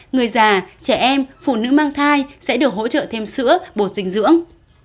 người già trẻ em phụ nữ mang thai sẽ được hỗ trợ thêm sữa bột dinh dưỡng